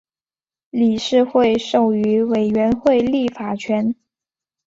理事会授予委员会立法权。